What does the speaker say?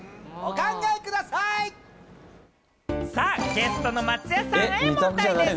ゲストの松也さんへの問題です。